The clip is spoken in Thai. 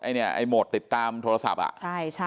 โหมดติดตามโทรศัพท์